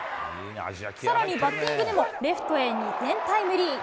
さらにバッティングでも、レフトへ２点タイムリー。